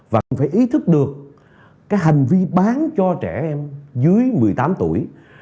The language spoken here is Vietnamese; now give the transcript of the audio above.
vẫn phải ý thức được cái hành vi bán cho trẻ em dưới một mươi tám tuổi